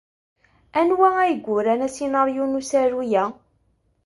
Anwa ay yuran asinaṛyu n usaru-a?